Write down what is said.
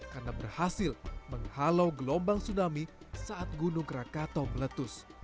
karena berhasil menghalau gelombang tsunami saat gunung krakatau meletus